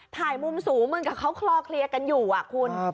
ถ่ายมุมสูงเหมือนกับเขาคลอเคลียร์กันอยู่คุณ